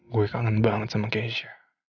gue kangen banget sama keisha